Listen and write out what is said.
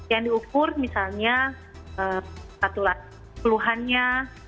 yang diukur misalnya saturan peluhannya